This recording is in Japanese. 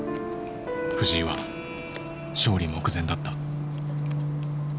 藤井は勝利目前だった。